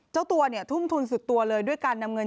เจ้าตัวเนี่ยทุ่มทุนสุดตัวเลยด้วยการนำเงิน